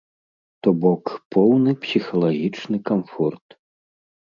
То бок, поўны псіхалагічны камфорт.